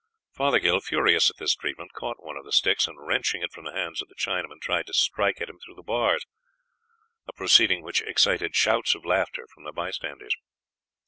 Fothergill, furious at this treatment, caught one of the sticks, and wrenching it from the hands of the Chinaman tried to strike at him through the bars, a proceeding which excited shouts of laughter from the bystanders.